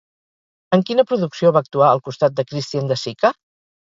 En quina producció va actuar al costat de Christian de Sicca?